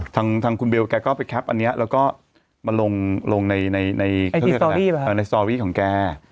ทางคุณเบลแกก็ไปแคปอันนี้แล้วก็มาลงในสตอรี่ของแก